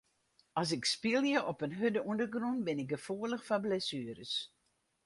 As ik spylje op in hurde ûndergrûn bin ik gefoelich foar blessueres.